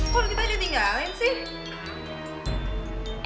kalo kita aja tinggalin sih